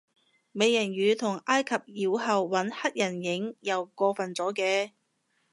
美人魚同埃及妖后搵黑人演又過份咗嘅